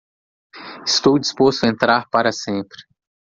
Estou disposto a entrar para sempre.